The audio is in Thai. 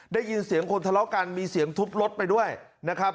ได้ยินเสียงคนทะเลาะกันมีเสียงทุบรถไปด้วยนะครับ